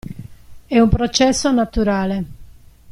È un processo naturale.